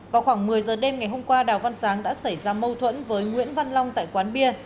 vào khoảng một mươi giờ đêm ngày hôm qua đào văn sáng đã xảy ra mâu thuẫn với nguyễn văn long tại quán bia